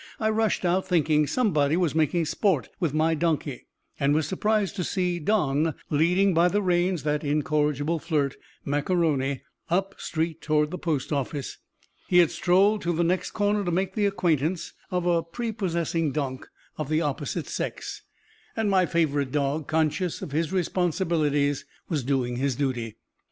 I rushed out, thinking somebody was making sport with my donkey, and was surprised to see Don leading by the reins that incorrigible flirt, Mac A'Rony, up street toward the post office. He had strolled to the next corner to make the acquaintance of a prepossessing donk of the opposite sex, and my faithful dog, conscious of his responsibilities, was doing his duty.